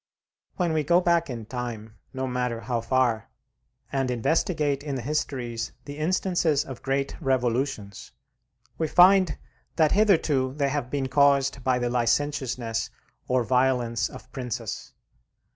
When we go back in time, no matter how far, and investigate in the histories the instances of great revolutions, we find that hitherto they have been caused by the licentiousness or violence of princes.